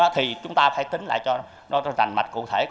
thì chúng ta phải tính lại cho nó rành mạch cụ thể